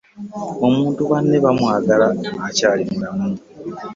Omuntu banne bamwagala akyali mulamu .